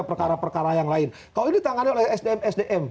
perkara perkara yang lain kalau ini ditangani oleh sdm sdm